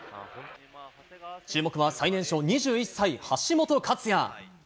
注目は最年少２１歳、橋本勝也。